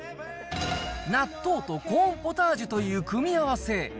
納豆とコーンポタージュという組み合わせ。